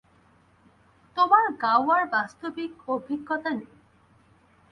তোমার গাওয়ার বাস্তবিক অভিজ্ঞতা নেই।